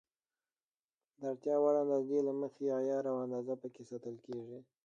د اړتیا وړ اندازې له مخې عیار او اندازه پکې ساتل کېږي.